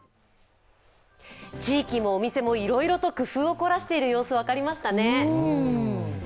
地域もお店もいろいろと工夫を凝らしている様子が分かりましたね。